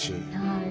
はい。